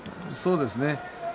そうですね。